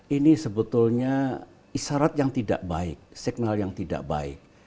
ini sebetulnya isyarat yang tidak baik